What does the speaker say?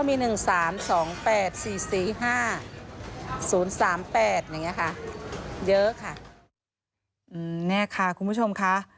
นี่ค่ะคุณผู้ชมค่ะ